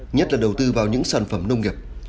nhất là đầu tư vào những sản phẩm nông nghiệp